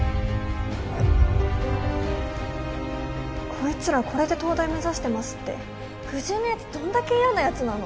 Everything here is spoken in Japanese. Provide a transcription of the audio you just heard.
「こいつらこれで東大目指してます」って藤井の奴どんだけ嫌な奴なの！？